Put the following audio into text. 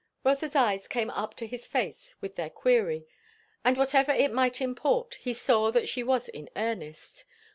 Rotha's eyes came up to his face with their query; and whatever it might import, he saw that she was in earnest.